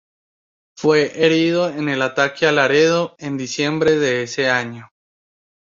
Fue herido en el ataque a Laredo, en diciembre de ese año.